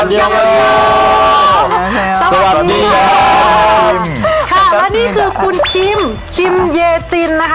สวัสดีครับสวัสดีครับค่ะและนี่คือคุณคิมคิมเยจินนะฮะ